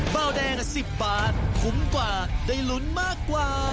เบาแดง๑๐บาทคุ้มกว่าได้ลุ้นมากกว่า